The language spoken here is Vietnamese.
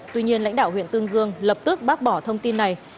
tuy nhiên lãnh đạo huyện tương dương lập tức bác bỏ thông tin này